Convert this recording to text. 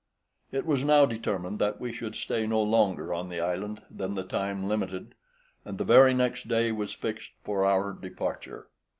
It was now determined that we should stay no longer on the island than the time limited, and the very next day was fixed for our departure.